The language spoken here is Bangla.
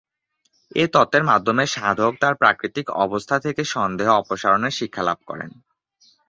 এই তত্ত্বের মাধ্যমে সাধক তার প্রাকৃতিক অবস্থা থেকে সন্দেহ অপসারণের শিক্ষালাভ করেন।